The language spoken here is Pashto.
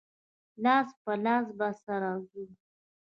لاس په لاس به سره ځو.